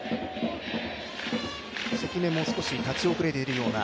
関根も少し立ち後れているような。